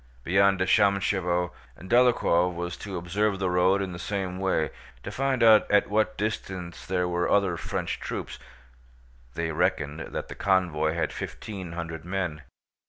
Beyond Shámshevo, Dólokhov was to observe the road in the same way, to find out at what distance there were other French troops. They reckoned that the convoy had fifteen hundred men.